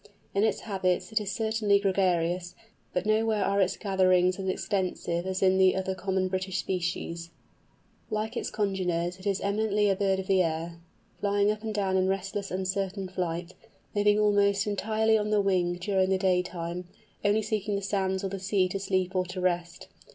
In its habits it is certainly gregarious, but nowhere are its gatherings as extensive as in the other common British species. Like its congeners it is eminently a bird of the air, flying up and down in restless uncertain flight, living almost entirely on the wing during the daytime, only seeking the sands or the sea to sleep or to rest.